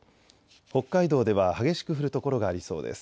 北海道では激しく降る所がありそうです。